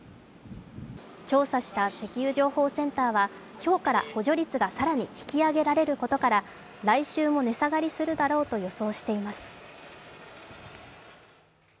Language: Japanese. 調査した石油情報センターは今日から補助率が更に引き上げられることから来週も値下がりするだろうと予想しています。